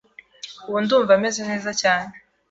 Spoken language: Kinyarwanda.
Ubu ndumva meze neza cyane.